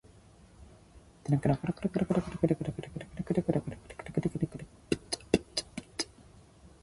A tall all-rounder, he played for New South Wales, batting and bowling right-handed.